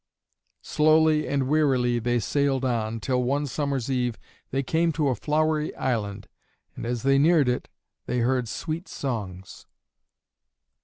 Slowly and wearily they sailed on, till one summer's eve they came to a flowery island, and as they neared it they heard sweet songs.